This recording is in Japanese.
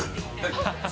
ハハハ